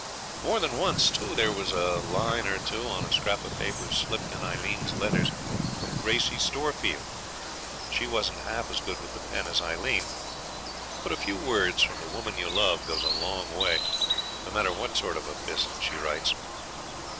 More than once, too, there was a line or two on a scrap of paper slipped in Aileen's letters from Gracey Storefield. She wasn't half as good with the pen as Aileen, but a few words from the woman you love goes a long way, no matter what sort of a fist she writes.